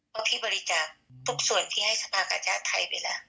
เพราะพี่บริจาคทุกส่วนพี่ให้สภากาชาติไทยไปแล้ว